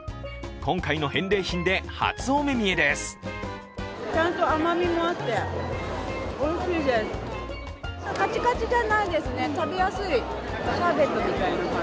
今回の返礼品で初お目見えです。